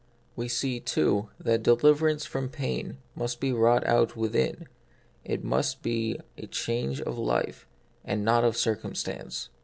We see, too, that deliverance from pain must be wrought out within : it must be by a change of life, and not of circumstance.